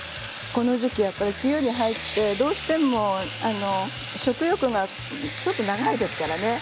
この時期やっぱり梅雨に入ってどうしても食欲が、ちょっと長いですからね。